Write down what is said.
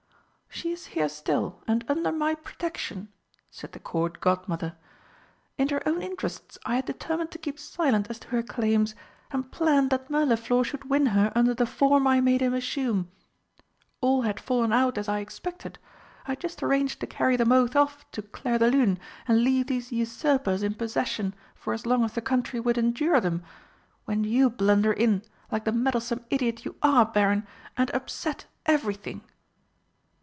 "She is here still, and under my protection," said the Court Godmother. "In her own interests I had determined to keep silent as to her claims, and planned that Mirliflor should win her under the form I made him assume. All had fallen out as I expected I had just arranged to carry them both off to Clairdelune, and leave these usurpers in possession for as long as the Country would endure them when you blunder in, like the meddlesome idiot you are, Baron, and upset everything!"